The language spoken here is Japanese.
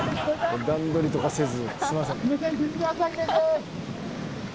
「段取りとかせず」